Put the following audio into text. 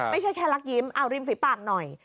ไม่ใช่แค่รักยิ้มเอาริมฝีปากหน่อย